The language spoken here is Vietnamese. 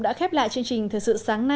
đây là khoảng cách bằng